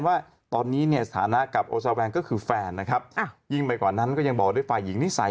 ว่าตอนนี้เนี่ยสถานะกับโอซาแวงก็คือแฟนนะครับยิ่งไปกว่านั้นก็ยังบอกด้วยฝ่ายหญิงนิสัย